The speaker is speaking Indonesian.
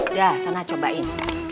udah sana cobain